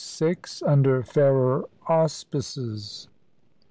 UNDER FAIRER AUSPICES.